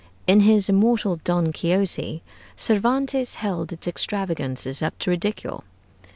In his immortal 'Don Quixote,' Cervantes held its extravagances up to ridicule.